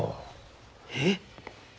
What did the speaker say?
えっ？